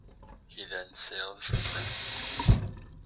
He then sailed for France.